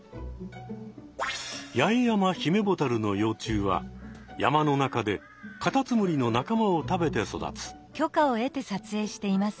ヤエヤマヒメボタルの幼虫は山の中でカタツムリのなかまを食べて育つ。